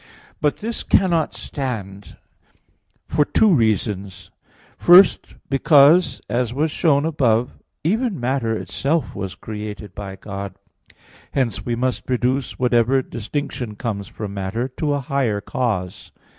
But this cannot stand, for two reasons. First, because, as was shown above (Q. 44, A. 2), even matter itself was created by God. Hence we must reduce whatever distinction comes from matter to a higher cause.